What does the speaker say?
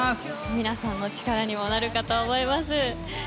皆さんの力にもなるかと思います。